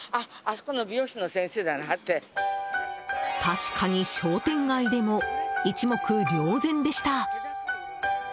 確かに商店街でも一目瞭然でした。